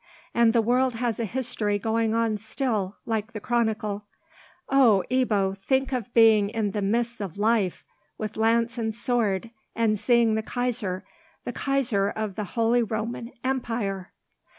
And the world has a history going on still, like the Chronicle. Oh, Ebbo, think of being in the midst of life, with lance and sword, and seeing the Kaiser—the Kaiser of the holy Roman Empire!"